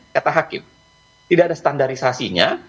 kata hakim tidak ada standarisasinya